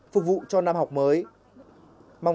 phục vụ cho năm học mới